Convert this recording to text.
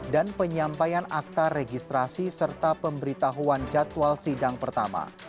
dan penyampaian akta registrasi serta pemberitahuan jadwal sidang pertama